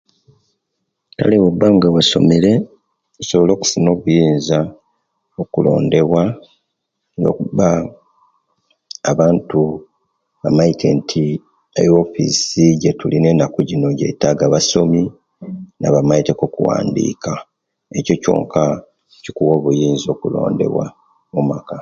Kale ooba nga bwasomere osobola okusuna obuyinza bwa kulondewa luwakuba abantu bamaite nti ewoffisi ejitulimu enaku jino jetaga basomi naba maite ku okuwandika Nikyo kyonka ekikuwa obuyinza okulondewa